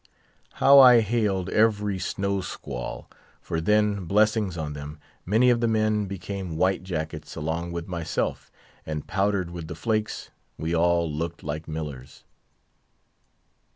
How I hailed every snow squall; for then—blessings on them!—many of the men became white jackets along with myself; and, powdered with the flakes, we all looked like millers.